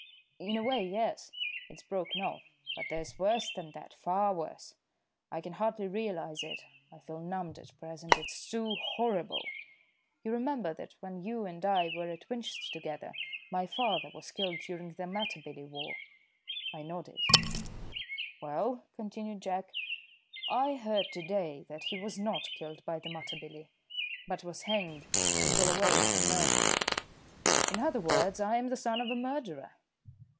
"In a way, yes. It's broken off, but there's worse than that far worse. I can hardly realise it; I feel numbed at present; it's too horrible. You remember that when you and I were at Winchester together my father was killed during the Matabele War?" I nodded. "Well," continued Jack, "I heard to day that he was not killed by the Matabele, but was hanged in Bulawayo for murder. In other words, I am the son of a murderer."